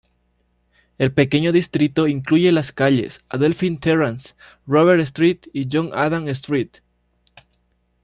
El pequeño distrito incluye las calles "Adelphi Terrace", "Robert Street" y "John Adam Street".